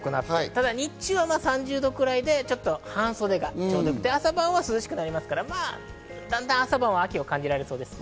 ただ日中は３０度くらいで、半袖がちょうどよくて、朝晩は涼しくなりますから、だんだん朝晩は秋を感じられそうです。